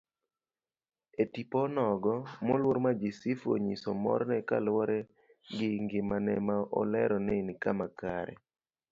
Etipo onogo, moluor Majisifu onyiso morne kaluwore gi ngimane ma olero ni nikama kare.